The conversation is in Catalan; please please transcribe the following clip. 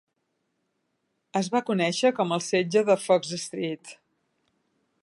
Es va conèixer com el Setge de Fox Street.